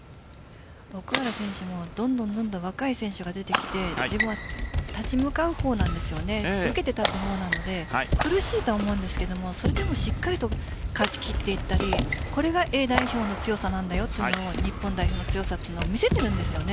奥原選手もどんどん若い選手が出てきて受けて立つほうなので苦しいと思うんですがそれでもしっかり勝ち切っていったりこれがＡ代表の強さなんだというのを日本代表の強さを見せているんですね。